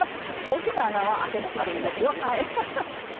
大きな穴はあけなくていいですよ。